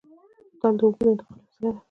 بوتل د اوبو د انتقال یوه وسیله ده.